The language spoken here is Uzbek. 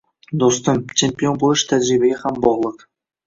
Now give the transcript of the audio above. Do‘stim, champion bo‘lish tajribaga ham bog‘liq.